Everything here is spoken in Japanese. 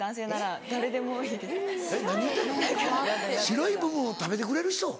白い部分を食べてくれる人？